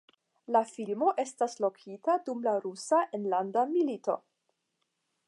La filmo estas lokita dum la Rusia enlanda milito.